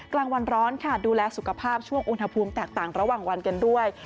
กลางวันร้อนค่ะดูแลสุขภาพช่วงอุณหภูมิแตกต่างระหว่างวันกันด้วย